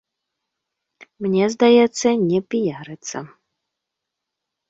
Мне здаецца, не піярыцца.